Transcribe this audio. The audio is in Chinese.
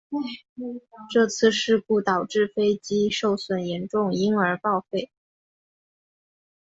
这次事故导致飞机受损严重因而报废。